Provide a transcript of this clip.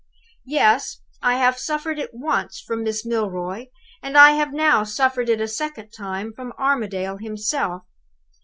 "Yes! I have suffered it once from Miss Milroy. And I have now suffered it a second time from Armadale himself.